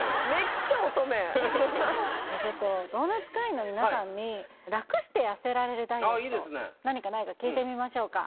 じゃあちょっとドーナツ会員の皆さんに楽して痩せられるダイエットああいいですね何かないか聞いてみましょうか・